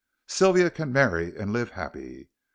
Sylvia can marry and live happy.